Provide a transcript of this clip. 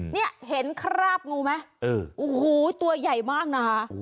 เนี่ยเห็นคราบงูไหมโอ้โหตัวใหญ่มากนะคะ